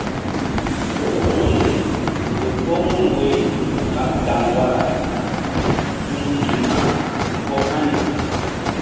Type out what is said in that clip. Wu̧yri ƴo ko mun woyri ɓa gaŋri wara gun ke mah ko hani.